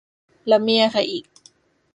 แล้วมีอะไรอีก